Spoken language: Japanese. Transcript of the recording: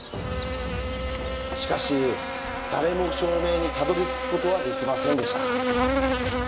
しかし誰も証明にたどりつくことはできませんでした。